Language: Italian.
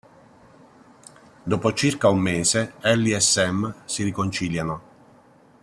Dopo circa un mese Allie e Sam si riconciliano.